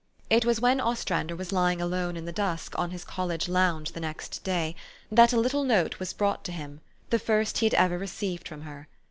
It was when Ostrander was lying alone in the dusk, on his college lounge, the next day, that a little note was brought to him, the first he had ever received from her.